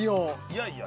いやいや